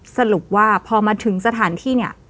สรุปว่าพอมาถึงสถานที่เนี่ย